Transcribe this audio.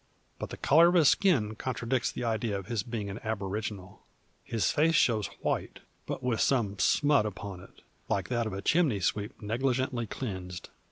But the colour of his skin contradicts the idea of his being an aboriginal. His face shows white, but with some smut upon it, like that of a chimney sweep negligently cleansed.